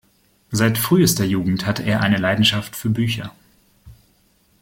Seit frühester Jugend hatte er eine Leidenschaft für Bücher.